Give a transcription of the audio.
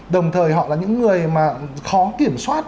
đồng thời họ là những người mà khó kiểm soát